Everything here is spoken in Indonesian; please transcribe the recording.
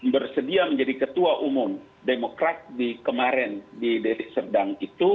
bersedia menjadi ketua umum demokrat di kemarin di delik serdang itu